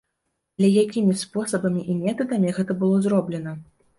Але якімі спосабамі і метадамі гэта было зроблена?